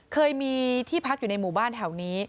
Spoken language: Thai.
เคยมีที่พักอยู่ในหมู่บ้านแถวนี้